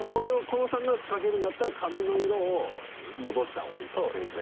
このサングラスかけるんだったら髪の色を戻したほうがいいとかそういうこと？